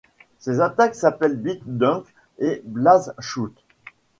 Ses attaques s'appellent Beat Dunk et Blaze Shoot.